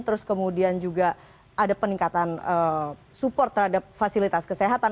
terus kemudian juga ada peningkatan support terhadap fasilitas kesehatan